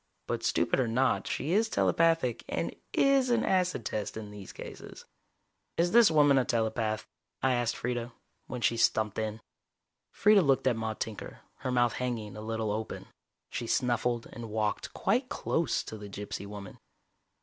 But stupid or not, she is telepathic, and is an acid test in these cases. "Is this woman a telepath?" I asked Freeda, when she stumped in. Freeda looked at Maude Tinker, her mouth hanging a little open. She snuffled and walked quite close to the gypsy woman.